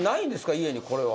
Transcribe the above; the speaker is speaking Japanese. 家にこれは。